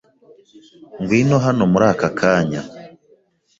Ngwino hano muri ako kanya.